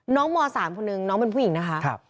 ม๓คนนึงน้องเป็นผู้หญิงนะคะ